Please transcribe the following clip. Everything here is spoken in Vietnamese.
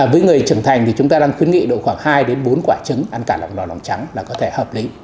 với người trưởng thành thì chúng ta đang khuyến nghị độ khoảng hai bốn quả trứng ăn cả lòng đỏ lòng trắng là có thể hợp lý